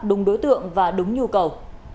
đúng đối tượng và đúng nhu cầu